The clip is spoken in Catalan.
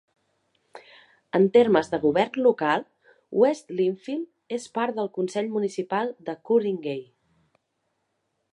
En termes de govern local, West Lindfield és part del consell municipal de Ku-ring-gai.